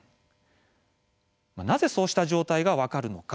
なぜそうした状態が分かるのか。